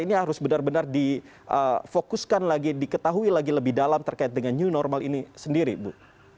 ini harus benar benar difokuskan lagi diketahui lagi lebih dalam terkait dengan new normal ini sendiri bu